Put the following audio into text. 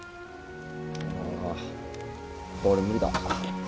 あ俺無理だ。